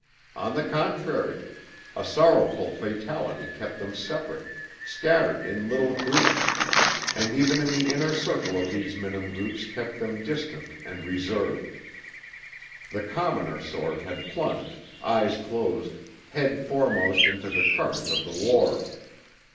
On the contrary, a sorrowful fatality kept them separate, scattered in little groups, and even in the inner circle of these minim groups kept them distant and reserved. The commoner sort had plunged, eyes closed, head foremost into the current of the war.